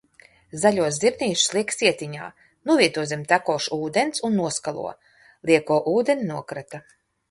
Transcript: Zaļos zirnīšus liek sietiņā, novieto zem tekoša ūdens un noskalo, lieko ūdeni nokrata.